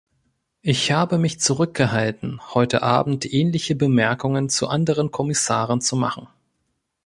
Ich habe mich zurückgehalten, heute Abend ähnliche Bemerkungen zu anderen Kommissaren zu machen.